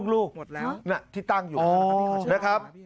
ลูกที่ตั้งอยู่